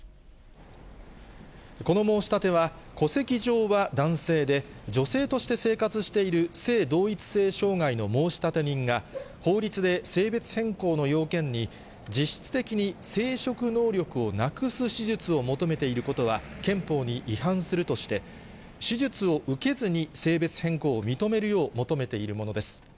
この申し立ては、戸籍上は男性で、女性として生活している、性同一性障害の申立人が、法律で性別変更の要件に、実質的に生殖能力をなくす手術を求めていることは、憲法に違反するとして、手術を受けずに性別変更を認めるよう求めているものです。